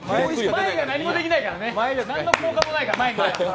前には何もできないから何の効果もないからね。